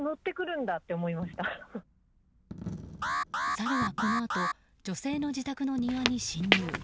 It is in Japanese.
サルはこのあと女性の自宅の庭に侵入。